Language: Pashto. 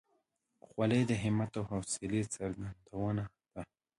خولۍ د همت او حوصلې څرګندونه ده.